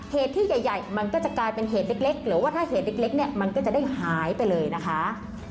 เหตุที่ใหญ่มันก็จะกลายเป็นเหตุเล็กหรือว่าถ้าเหตุเล็กเนี่ยมันก็จะได้หายไปเลยนะคะ